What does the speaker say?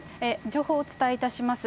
情報をお伝えいたします。